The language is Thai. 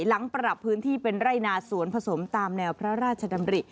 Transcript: หลังปรับพื้นที่เป็นไร่นาสวนผสมตามแนวพระราชดำริ